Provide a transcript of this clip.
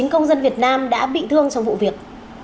một mươi chín công dân việt nam đã bị thương trong vụ việc